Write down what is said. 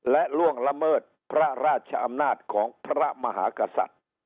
และล่วงละเมิดพระราชอำนาจของพระมหากษัตริย์